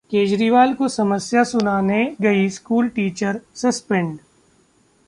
केजरीवाल को समस्या सुनाने गई स्कूल टीचर सस्पेंड